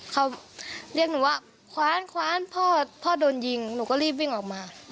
เขาเรียกหนูว่าคว้านคว้านพ่อพ่อโดนยิงหนูก็รีบวิ่งออกมา